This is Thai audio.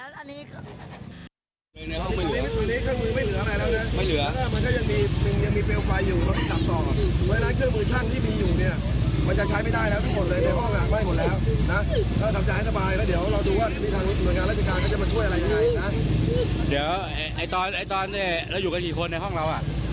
เดี๋ยวไอ้ตอนเราอยู่กันกี่คนในห้องเรา